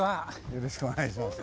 よろしくお願いします。